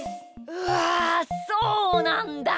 うわそうなんだ！